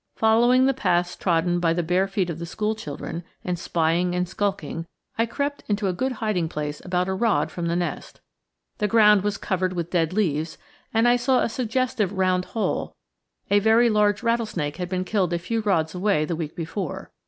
Following the paths trodden by the bare feet of the school children, and spying and skulking, I crept into a good hiding place about a rod from the nest. The ground was covered with dead leaves, and I saw a suggestive round hole a very large rattlesnake had been killed a few rods away the week before.